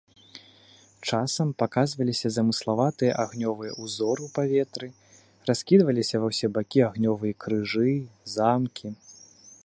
Часам паказваліся замыславатыя агнёвыя ўзоры ў паветры, раскідваліся ва ўсе бакі агнёвыя крыжы, замкі.